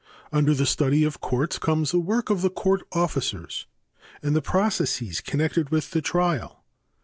Under the study of courts comes the work of the court officers and the processes connected with the trial.